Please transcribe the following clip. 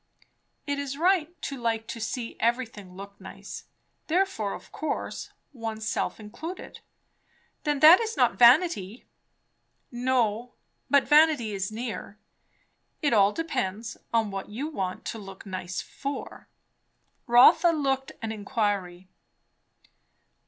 "It is right to like to see everything look nice, therefore of course oneself included." "Then that is not vanity." "No, but vanity is near. It all depends on what you want to look nice for." Rotha looked an inquiry.